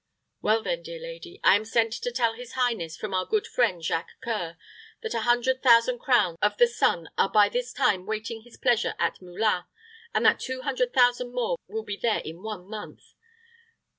"Well, then, dear lady, I am sent to tell his highness, from our good friend Jacques C[oe]ur, that a hundred thousand crowns of the sun are by this time waiting his pleasure at Moulins, and that two hundred thousand more will be there in one month."